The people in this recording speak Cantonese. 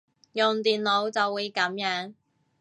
用電腦就會噉樣